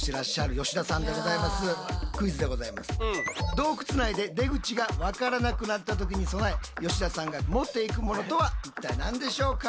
洞窟内で出口がわからなくなったときに備え吉田さんが持って行くものとは一体何でしょうか？